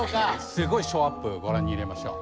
すごいショーアップご覧に入れましょう。